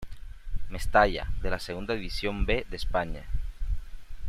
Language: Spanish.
Mestalla de la Segunda División B de España.